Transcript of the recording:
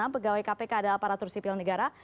pegawai kpk adalah aparatur sipil negara